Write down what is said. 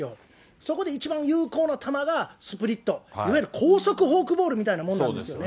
そこで一番有効な球がスプリット、いわゆる高速フォークボールみたいなものなんですよね。